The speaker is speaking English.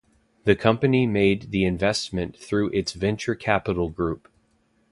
The company made the investment through its venture capital group.